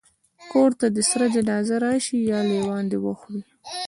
کور ته دي سره جنازه راسي یا لېوان دي وخوري